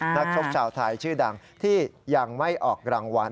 นักชกชาวไทยชื่อดังที่ยังไม่ออกรางวัล